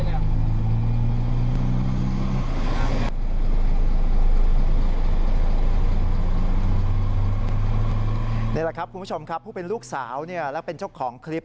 นี่แหละครับคุณผู้ชมครับผู้เป็นลูกสาวและเป็นเจ้าของคลิป